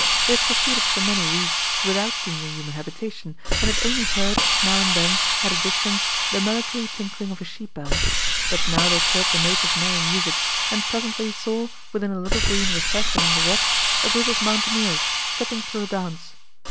They had proceeded for many leagues, without seeing a human habitation, and had only heard, now and then, at a distance, the melancholy tinkling of a sheep bell; but now they caught the notes of merry music, and presently saw, within a little green recess among the rocks, a group of mountaineers, tripping through a dance.